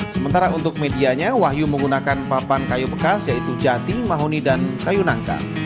sementara untuk medianya wahyu menggunakan papan kayu bekas yaitu jati mahoni dan kayu nangka